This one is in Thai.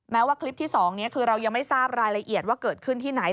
ว่าคลิปที่๒นี้คือเรายังไม่ทราบรายละเอียดว่าเกิดขึ้นที่ไหน